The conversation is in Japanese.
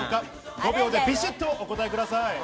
５秒でビシッとお答えください。